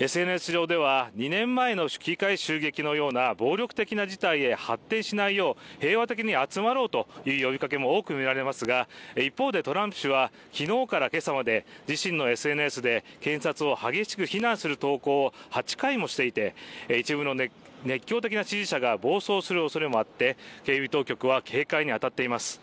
ＳＮＳ上では２年前の議会襲撃のような暴力的な事態に発展しないよう、平和的に集まろうという呼びかけも多く見られますが一方でトランプ氏は昨日から今朝まで自身のＳＮＳで検察を激しく非難する投稿を８回もしていて一部の熱狂的な支持者が暴走するおそれもあって警備当局は警戒に当たっています。